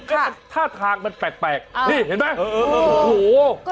ฮะถ้าทางมันแปลกแปลกเนี่ยเห็นไหมเออเออเออหูวโห